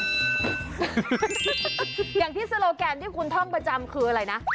อย่างที่โซโลแกนที่คุณท่องประจำคืออะไรนะ